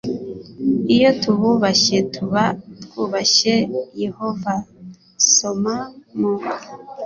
iyo tububashye tuba twubashye yehova soma mu